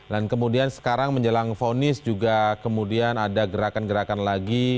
dan kemudian sekarang menjelang vonis juga kemudian ada gerakan gerakan lagi